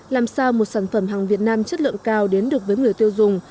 làm sao một sản phẩm hàng việt nam chất lượng cao đến được với người tiêu dùng